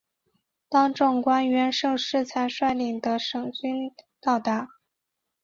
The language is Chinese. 当政府官员盛世才率领的省军到达。